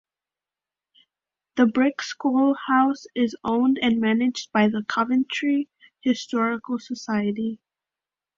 The Brick School House is owned and managed by the Coventry Historical Society.